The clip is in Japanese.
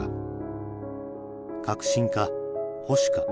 革新か保守か。